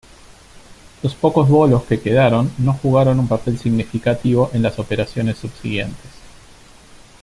Los pocos "Bolo" que quedaron no jugaron un papel significativo en las operaciones subsiguientes.